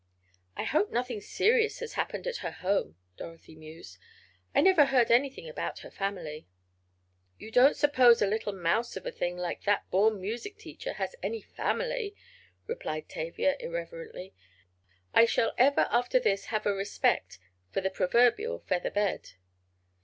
"I hope nothing serious has happened at her home," Dorothy mused. "I never heard anything about her family." "You don't suppose a little mouse of a thing, like that born music teacher, has any family," replied Tavia irreverently. "I shall ever after this have a respect for the proverbial feather bed."